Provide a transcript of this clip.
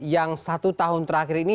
yang satu tahun terakhir ini